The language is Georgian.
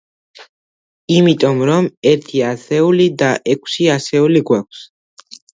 იმიტომ რომ, ერთი ასეული და ექვსი ასეული გვაქვს.